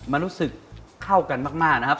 มันรู้สึกเข้ากันมากนะครับ